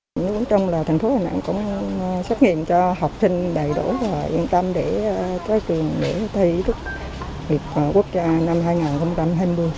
nếu không trông là thành phố đà nẵng cũng xác nghiệm cho học sinh đầy đủ và yên tâm để trái trường để thi thức việc quốc gia năm hai nghìn hai mươi